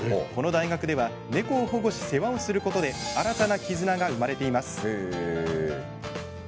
この大学では、猫を保護し世話をすることで新たな絆が生まれています。